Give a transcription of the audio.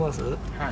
はい。